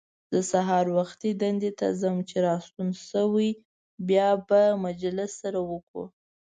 زه سهار وختي دندې ته ځم، چې راستون شوې بیا به مجلس سره وکړو.